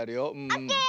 オッケー！